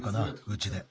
うちで。